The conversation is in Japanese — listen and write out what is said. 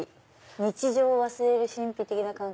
「日常を忘れる神秘的な感覚」